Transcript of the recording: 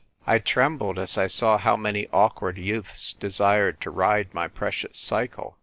I trembled as I saw how many awkward youths desired to ride my precious cycle.